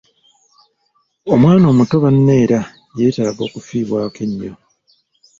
Omwana omuto baneera yeetaaga okufiibwako ennyo.